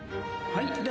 はい。